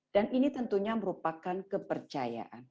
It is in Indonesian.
dan ini tentunya merupakan kepercayaan